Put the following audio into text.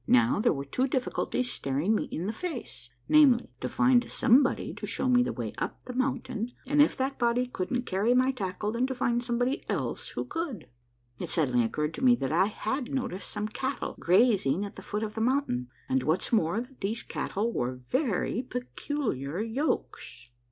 Now, there were two difficulties staring me in the face ; namely, to find some 26 A MARVELLOUS UNDERGROUND JOURNEY body to show me the way up the mountain, and if that body couldn't carry my tackle, then to find somebody else who could. It suddenly occurred to me that I had noticed some cattle grazing at the foot of the mountain, and, what's more, that these cattle wore very peculiar yokes.